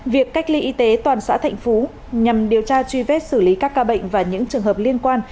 việc cách ly y tế toàn xã thạnh phú nhằm điều tra truy vết xử lý các ca bệnh và những trường hợp liên quan